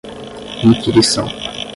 inquirição